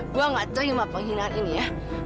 gue gak terima penghinaan ini ya